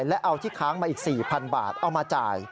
และเอาที่ค้างมาอีก๔๐๐๐บาทเอามาจ่าย